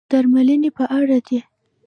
درملنې په اړه دي.